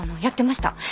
やってました。